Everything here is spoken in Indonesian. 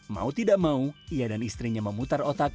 mau tidak mau ia dan istrinya memutar otak